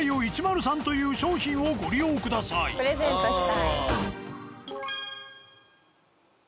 プレゼントしたい。